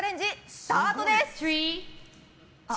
スタートです！